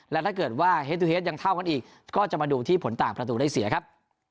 และถ้าเกิดว่าเฮสตูเฮดยังเท่ากันอีกก็จะมาดูที่ผลต่างประตูได้เสียครับ